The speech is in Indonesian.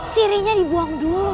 siri nya dibuang dulu nek